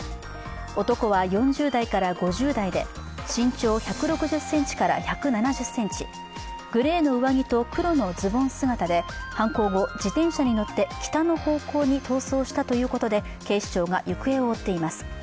男は４０代から５０代で、身長１６０ｃｍから１７０ｃｍグレーの上着と黒のズボン姿で犯行後、自転車に乗って北の方向に逃走したということで、警視庁が行方を追っています。